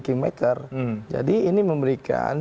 kingmaker jadi ini memberikan